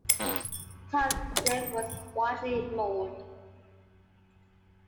Tom Derrick was widely mourned.